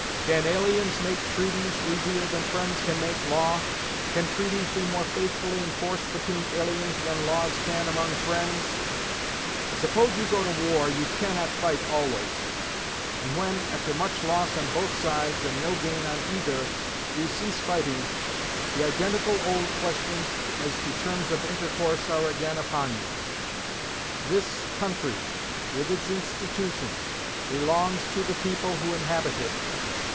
Can aliens make treaties easier than friends can make law? Can treaties be more faithfully enforced between aliens than laws can among friends? Suppose you go to war, you cannot fight always; and when, after much loss on both sides and no gain on either, you cease fighting, the identical old questions, as to terms of intercourse, are again upon you.... This country, with its institutions, belongs to the people who inhabit it.